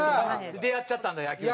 出会っちゃったんだ野球に。